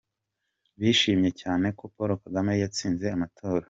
Bishimiye cyane ko Paul Kagame yatsinze amatora.